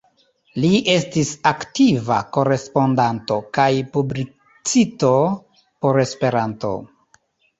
Li estis aktiva korespondanto kaj publicisto por Esperanto.